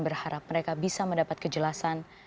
berharap mereka bisa mendapat kejelasan